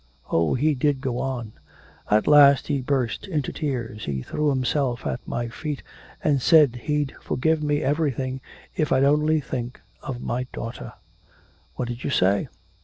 Oh, he did go on. At last he burst into tears, he threw himself at my feet and said he'd forgive me everything if I'd only think of my daughter.' 'What did you say?'